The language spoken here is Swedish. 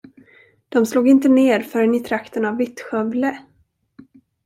De slog inte ner förrän i trakten av Vittskövle.